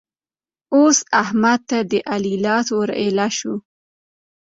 اوس احمد ته د علي لاس ور ايله شو.